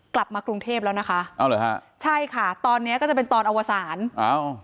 กลับมากรุงเทพแล้วนะคะเอาเหรอฮะใช่ค่ะตอนเนี้ยก็จะเป็นตอนอวสารอ้าว